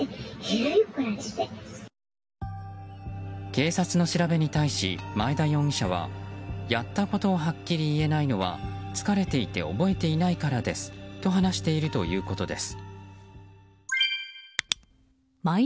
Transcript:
警察の調べに対し前田容疑者はやったことをはっきり言えないのは疲れていて覚えていないからですと話しているということです。